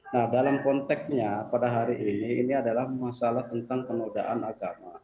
nah dalam konteksnya pada hari ini ini adalah masalah tentang penodaan agama